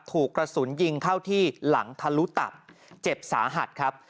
ถูกกระสุนยิงเข้าที่หลังทะลุตับเจ็บสาหัสครับ